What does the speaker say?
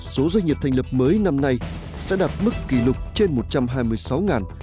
số doanh nghiệp thành lập mới năm nay sẽ đạt mức kỷ lục trên một trăm hai mươi sáu